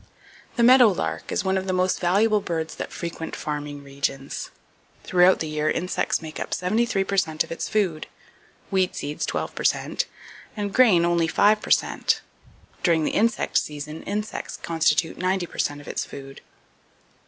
The Meadow Lark is one of the most valuable birds that frequent farming regions. Throughout the year insects make up 73 per cent of its food, weed seeds 12 per cent, and grain only 5 per cent. During the insect season, insects constitute 90 per cent of its food.